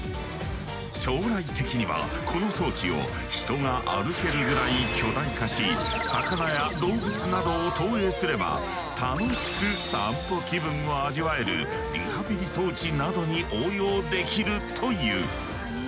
将来的にはこの装置を人が歩けるぐらい巨大化し魚や動物などを投影すれば楽しく散歩気分を味わえるリハビリ装置などに応用できるという。